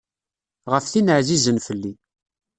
Ɣef tin ɛzizen fell-i.